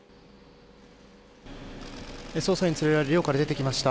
捜査員に連れられ寮から出てきました。